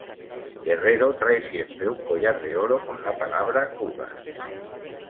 Guerrero trae siempre un collar de oro con la palabra "cougar".